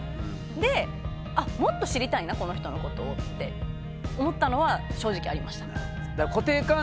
でもっと知りたいなこの人のことをって思ったのは正直ありました。